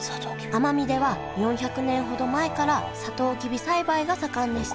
奄美では４００年ほど前からサトウキビ栽培が盛んでした